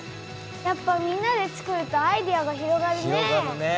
やっぱみんなでつくるとアイデアが広がるね。